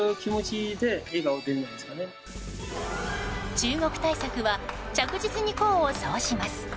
中国対策は着実に功を奏します。